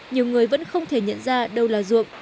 nhiều người vẫn không thể nhận ra đâu là ruộng